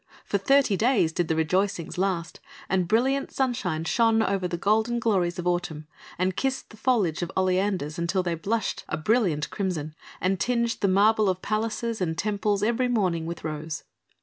For thirty days did the rejoicings last, and brilliant sunshine shone over the golden glories of autumn and kissed the foliage of oleanders until they blushed a brilliant crimson, and tinged the marble of palaces and temples every morning with rose.